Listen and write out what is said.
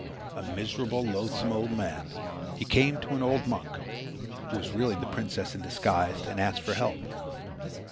A miserable, loathsome old man, he came to an old monk, who was really the princess in disguise, and asked for help.